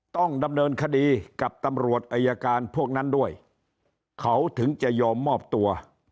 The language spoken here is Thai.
ต้องดำเนินคดีกับตำรวจอายการพวกนั้นด้วยเขาถึงจะยอมมอบตัว